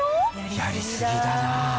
やりすぎだなあ。